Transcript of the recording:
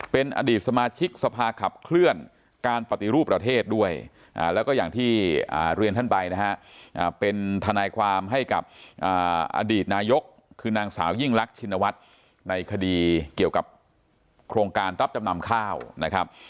เป็นอดีตสมาชิกสภาขับเคลื่อนการปฏิรูปประเทศด้วยแล้วก็อย่างที่เรียนท่านไปนะฮะเป็นทนายความให้กับอดีตนายกคือนางสาวยิ่งรักชินวัฒน์ในคดีเกี่ยวกับโครงการรับจำนำข้าวนะครับ